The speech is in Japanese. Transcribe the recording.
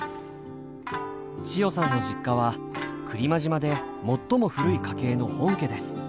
千代さんの実家は来間島で最も古い家系の本家です。